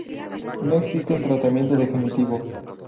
No existe un tratamiento definitivo.